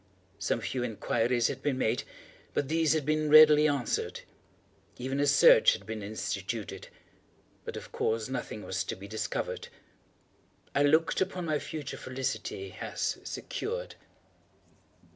Some few inquiries had been made, but these had been readily answered. Even a search had been instituted—but of course nothing was to be discovered. I looked upon my future felicity as secured.